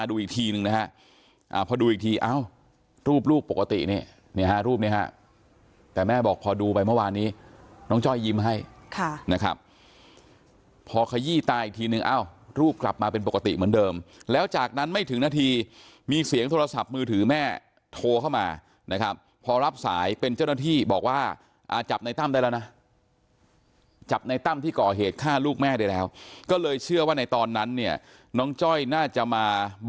ก็ดูอีกทีอ้าวรูปปกตินี่รูปนี้ครับแต่แม่บอกพอดูไปเมื่อวานนี้น้องจ้อยยิ้มให้พอขยี้ตาอีกทีนึงอ้าวรูปกลับมาเป็นปกติเหมือนเดิมแล้วจากนั้นไม่ถึงนาทีมีเสียงโทรศัพท์มือถือแม่โทรเข้ามานะครับพอรับสายเป็นเจ้าหน้าที่บอกว่าอ่าจับในตั้มได้แล้วนะจับในตั้มที่ก่อเหตุฆ่า